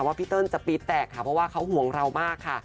พี่เติ้ลจะปี๊ดแตกค่ะเพราะว่าเขาห่วงเรามากค่ะ